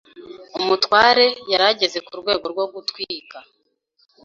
umutware yarageze ku rwego rwo gutwika